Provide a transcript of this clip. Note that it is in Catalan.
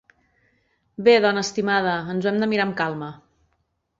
Bé, dona estimada, ens ho hem de mirar amb calma.